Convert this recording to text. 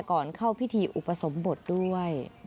ก่อนเข้าพิธีอุปสมบทด้วย